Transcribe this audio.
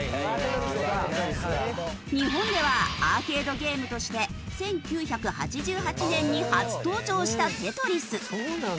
日本ではアーケードゲームとして１９８８年に初登場した『テトリス』。